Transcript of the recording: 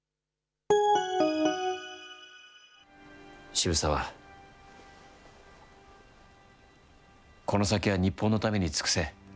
渋沢、この先は日本のために尽くせ。